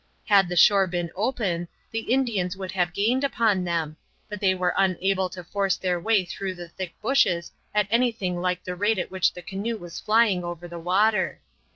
Had the shore been open the Indians would have gained upon them, but they were unable to force their way through the thick bushes at anything like the rate at which the canoe was flying over the water.